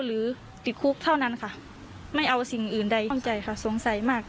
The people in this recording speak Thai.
หรือติดคุกเท่านั้นค่ะไม่เอาสิ่งอื่นใดเข้าใจค่ะสงสัยมาก